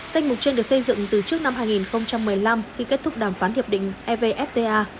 danh mục trên được xây dựng từ trước năm hai nghìn một mươi năm khi kết thúc đàm phán hiệp định evfta